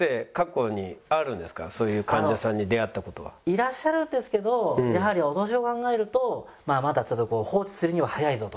いらっしゃるんですけどやはりお年を考えるとまだ放置するには早いぞと。